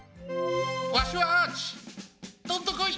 わしはアーチどんとこい！